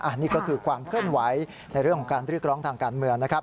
อันนี้ก็คือความเคลื่อนไหวในเรื่องของการเรียกร้องทางการเมืองนะครับ